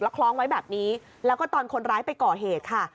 คล้องไว้แบบนี้แล้วก็ตอนคนร้ายไปก่อเหตุค่ะ